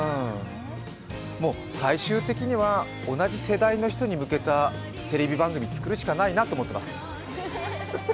もう最終的には同じ世代の人に向けたテレビ番組作るしかないなと思っています。